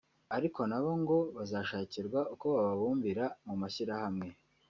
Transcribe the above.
ariko na bo ngo bazashakirwa uko bababumbira mu mashyirahamwe